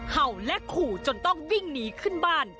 เห่าและขู่จนต้องวิ่งหนีขึ้นบ้าน